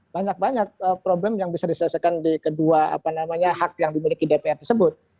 banyak banyak problem yang bisa diselesaikan di kedua hak yang dimiliki dpr tersebut